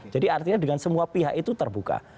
jadi artinya dengan semua pihak itu terbuka